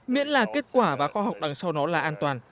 miễn là kết quả và khoa học đằng sau nó là an toàn